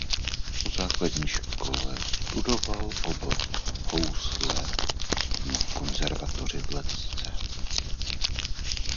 Po základní škole studoval obor housle na Konzervatoři v Lecce.